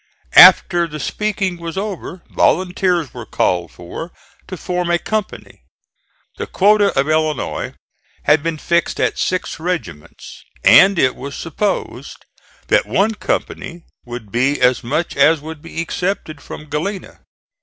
After the speaking was over volunteers were called for to form a company. The quota of Illinois had been fixed at six regiments; and it was supposed that one company would be as much as would be accepted from Galena.